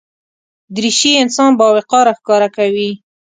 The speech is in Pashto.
دریشي انسان باوقاره ښکاره کوي.